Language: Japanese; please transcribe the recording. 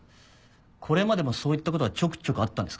これまでもそういったことはちょくちょくあったんですか？